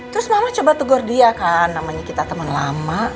terus mama coba tegur dia kan namanya kita teman lama